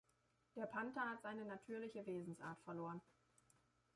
Der Panther hat seine natürliche Wesensart verloren.